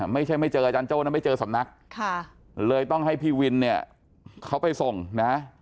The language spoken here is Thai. ไม่เจออาจารย์โจ้นะไม่เจอสำนักเลยต้องให้พี่วินเนี่ยเขาไปส่งนะ